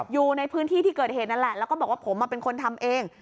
อยู่ในพื้นที่ที่เกิดเหตุนั่นแหละแล้วก็บอกว่าผมเป็นคนทำเอง